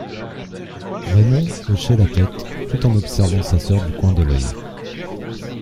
Raymond hochait la tête, tout en observant sa sœur du coin de l'œil.